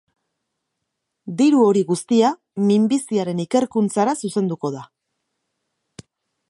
Diru hori guztia minbiziaren ikerkuntzara zuzenduko da.